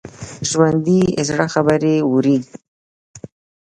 ژوندي د زړه خبرې اوري